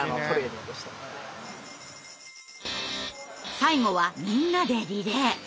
最後はみんなでリレー。